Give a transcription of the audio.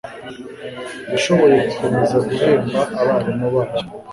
yashoboye gukomeza guhemba abarimu bayo